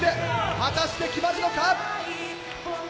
果たして決まるのか？